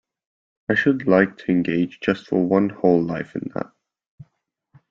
I should like to engage just for one whole life in that.